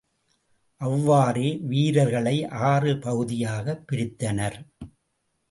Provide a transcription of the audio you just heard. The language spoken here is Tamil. அவ்வாறே வீரர்களை ஆறு பகுதியாகப் பிரித்தனர்.